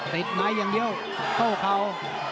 ติดไม้อย่างเดียวเข้าเข่า